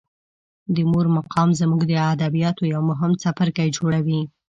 د مور مقام زموږ د ادبیاتو یو مهم څپرکی جوړوي.